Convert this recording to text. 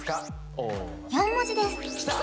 ４文字ですきた！